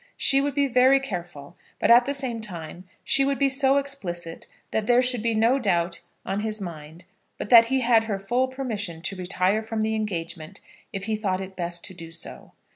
She would be very careful, but at the same time she would be so explicit that there should be no doubt on his mind but that he had her full permission to retire from the engagement if he thought it best to do so.